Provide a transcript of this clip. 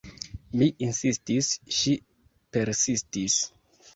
Mi insistis; ŝi persistis.